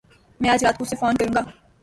میں اج رات کو اسے فون کروں گا